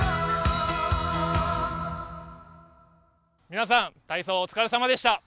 皆さん、体操お疲れさまでした。